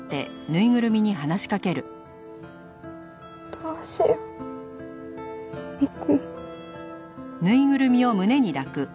どうしようモコ。